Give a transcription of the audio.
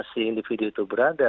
si individu itu berada